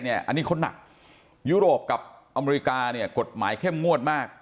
อันนี้เขาหนักยุโรปกับอเมริกาเนี่ยกฎหมายเข้มงวดมาก